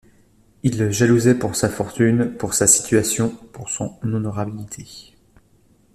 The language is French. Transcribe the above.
Il le jalousait pour sa fortune, pour sa situation, pour son honorabilité.